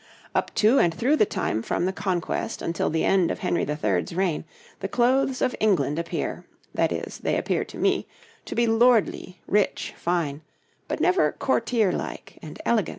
Up to and through the time from the Conquest until the end of Henry III.'s reign the clothes of England appear that is, they appear to me to be lordly, rich, fine, but never courtier like and elegant.